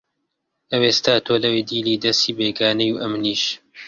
ئەوێستا تۆ لەوێ دیلی دەسی بێگانەی و ئەمنیش